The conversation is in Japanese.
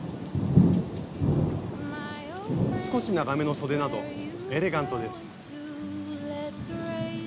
少し長めのそでなどエレガントです。